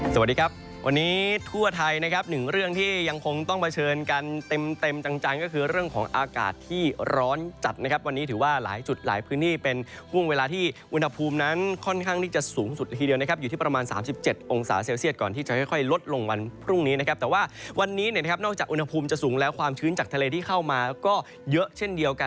สวัสดีครับวันนี้ทั่วไทยนะครับหนึ่งเรื่องที่ยังคงต้องเผชิญกันเต็มจังจังก็คือเรื่องของอากาศที่ร้อนจัดนะครับวันนี้ถือว่าหลายจุดหลายพื้นที่เป็นกว้างเวลาที่อุณหภูมินั้นค่อนข้างที่จะสูงสุดทีเดียวนะครับอยู่ที่ประมาณ๓๗องศาเซลเซียตก่อนที่จะค่อยลดลงวันพรุ่งนี้นะครับแต่ว่าวันนี้เนี่